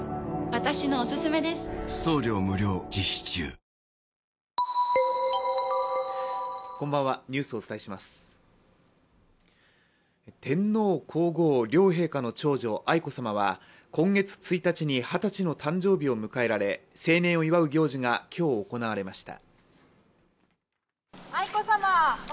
ぜひご覧ください天皇・皇后両陛下の長女、愛子さまは今月１日に二十歳の誕生日を迎えられ、成年を祝う行事が今日、行われました。